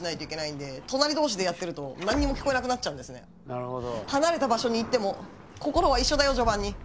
なるほど。